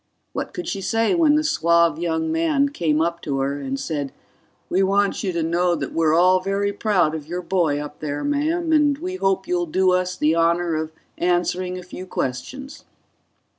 What could she say when the suave young man came up to her and said, "We want you to know that we're all very proud of your boy up there, ma'am, and we hope you'll do us the honor of answering a few questions."